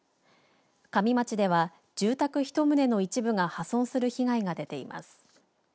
加美町では住宅１棟の一部が破損する被害が出ています。